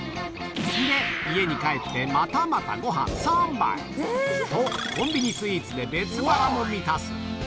で、家に帰って、またまたごはん３杯。と、コンビニスイーツで別腹も満たす。